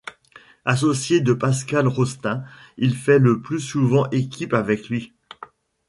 Associé de Pascal Rostain, il fait le plus souvent équipe avec lui.